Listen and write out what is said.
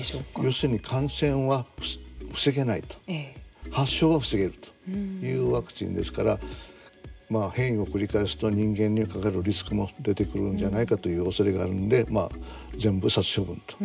要するに感染は防げないと、発症は防げるというワクチンですから変異を繰り返すと人間にかかるリスクも出てくるんじゃないかというおそれがあるので全部殺処分という形を取っています。